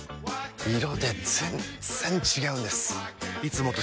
色で全然違うんです！